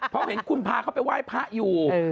เพราะเห็นคุณพาเขาไปไหว้พระอยู่